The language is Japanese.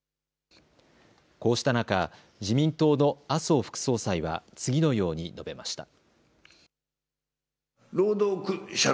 こうした中、自民党の麻生副総裁は次のように述べました。